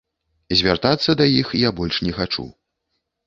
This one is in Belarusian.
Звяртацца да іх я больш не хачу.